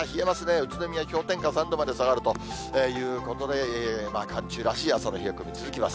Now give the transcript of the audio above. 宇都宮、氷点下３度まで下がるということで、寒中らしい朝の冷え込み続きます。